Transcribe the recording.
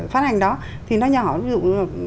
phát ảnh đó thì nó nhỏ ví dụ